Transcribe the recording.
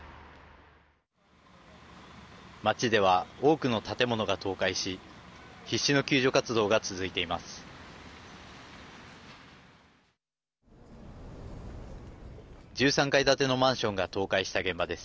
町では多くの建物が倒壊し必死の救助活動が続いています。